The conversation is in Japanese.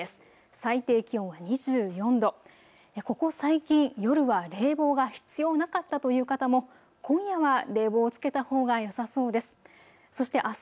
最低気温は２４度、ここ最近、夜は冷房が必要なかったという方も今夜は冷房をつけたほうがよさそうです。